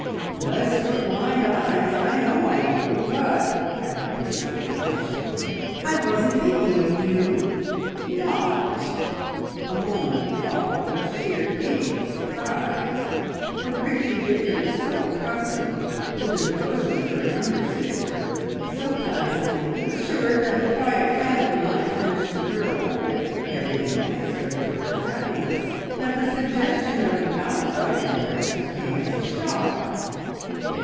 "Bless your blind eyes! I know I do. But," added Pixie astonishingly, "I wasn't thinking of you!" "Not!" A moment followed of sheer, gaping surprise, for Bridgie Victor was so accustomed to the devotion of her young sister, so placidly, assured that the quiet family life furnished the girl with, everything necessary for her happiness, that the suggestion of an outside interest came as a shock.